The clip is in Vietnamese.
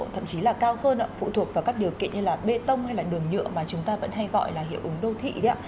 thậm chí là cao hơn phụ thuộc vào các điều kiện như là bê tông hay là đường nhựa mà chúng ta vẫn hay gọi là hiệu ứng đô thị đấy ạ